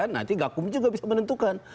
nanti gakum juga bisa menentukan